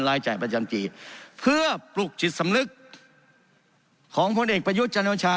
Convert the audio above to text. รายจ่ายประจำปีเพื่อปลุกจิตสำนึกของพลเอกประยุทธ์จันโอชา